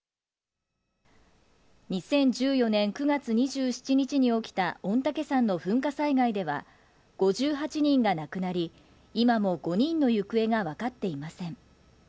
２０１４年９月２７日に起きた御嶽山の噴火災害では、５８人が亡くなり、今も５人の行方が分かっていません。